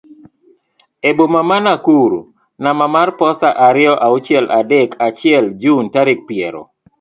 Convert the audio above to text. e boma ma Nakuru namba mar posta ariyo auchiel adek achiel Jun tarik piero